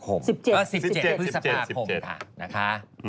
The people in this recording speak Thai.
ก็๑๗พฤษภาคมค่ะนะคะ